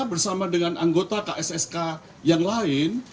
bersama dengan anggota kssk yang lain